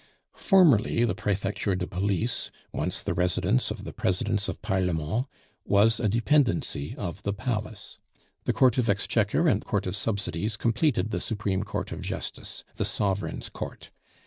Formerly the Prefecture de Police, once the residence of the Presidents of Parlement, was a dependency of the Palace. The Court of Exchequer and Court of Subsidies completed the Supreme Court of Justice, the Sovereign's Court.